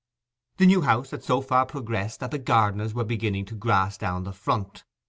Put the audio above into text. The new house had so far progressed that the gardeners were beginning to grass down the front.